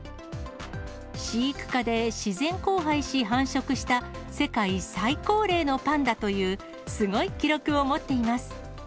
飼育下で自然交配し、繁殖した世界最高齢のパンダという、すごい記録を持っています。